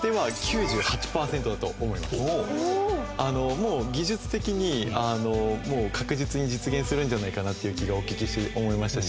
もう技術的に確実に実現するんじゃないかなっていう気がお聞きして思いましたし。